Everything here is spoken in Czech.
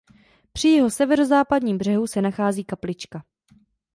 Při jeho severozápadním břehu se nachází kaplička.